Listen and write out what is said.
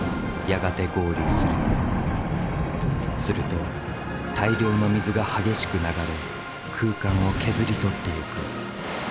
すると大量の水が激しく流れ空間を削り取っていく。